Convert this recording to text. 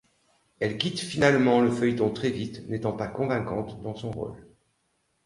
Elle quitte finalement le feuilleton très vite n'étant pas convaincante dans son rôle.